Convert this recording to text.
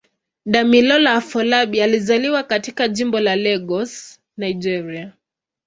Damilola Afolabi alizaliwa katika Jimbo la Lagos, Nigeria.